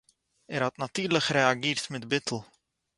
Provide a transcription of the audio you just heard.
ער האָט נאַטירליך רעאַגירט מיט ביטול